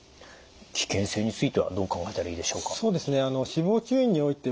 危険性についてはどう考えたらいいでしょうか？